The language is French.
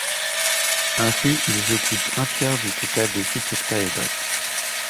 Ainsi ils occupent un tiers du total des sites octaédriques.